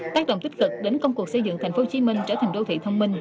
tác động tích cực đến công cuộc xây dựng tp hcm trở thành đô thị thông minh